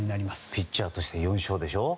ピッチャーとして４勝でしょう。